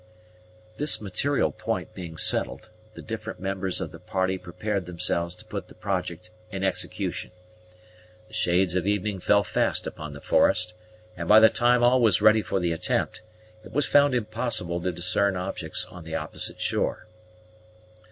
This material point being settled, the different members of the party prepared themselves to put the project in execution. The shades of evening fell fast upon the forest; and by the time all was ready for the attempt, it was found impossible to discern objects on the opposite shore.